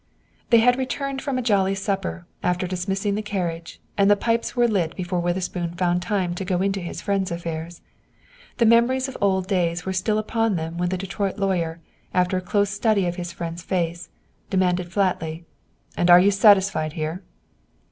They had returned from a jolly supper, after dismissing the carriage, and the pipes were lit before Witherspoon found time to go into his friend's affairs. The memories of old days were still upon them when the Detroit lawyer, after a close study of his friend's face, demanded flatly, "And are you satisfied here?"